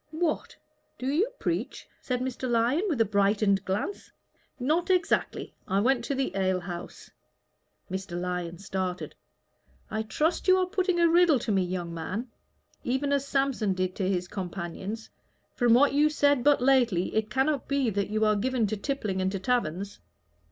"What! do you preach?" said Mr. Lyon, with brightened glance. "Not exactly. I went to the ale house." Mr. Lyon started. "I trust you are putting a riddle to me, young man, even as Samson did to his companions. From what you said but lately, it cannot be that you are given to tippling and to taverns."